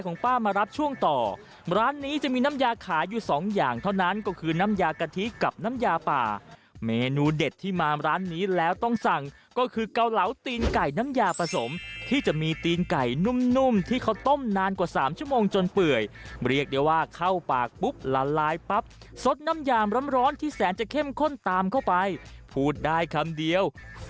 ป้ามารับช่วงต่อร้านนี้จะมีน้ำยาขายอยู่สองอย่างเท่านั้นก็คือน้ำยากะทิกับน้ำยาป่าเมนูเด็ดที่มาร้านนี้แล้วต้องสั่งก็คือเกาเหลาตีนไก่น้ำยาผสมที่จะมีตีนไก่นุ่มที่เขาต้มนานกว่า๓ชั่วโมงจนเปื่อยเรียกได้ว่าเข้าปากปุ๊บละลายปั๊บสดน้ำยามร้อนที่แสนจะเข้มข้นตามเข้าไปพูดได้คำเดียว